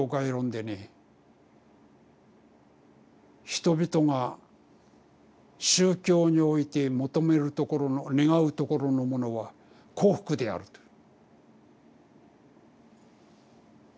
「人々が宗教においてねがうところのものは幸福である」という。